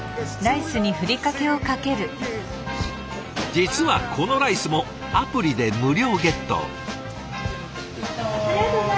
実はこのライスもアプリで無料ゲット。